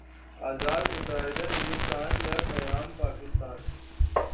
آزاد متحدہ ہندوستان یا قیام پاکستان؟